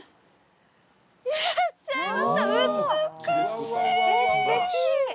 いらっしゃいました美しい！